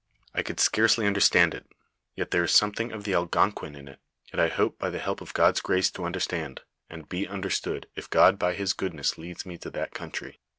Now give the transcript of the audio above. I could scarcely underetand it, though there is something of the Algonquin in it ; yet I hope by the help of God's grace to understand, and be understood if God by his goodness leads me to that country.